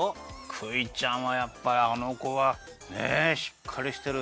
クイちゃんはやっぱりあのこはねえしっかりしてる。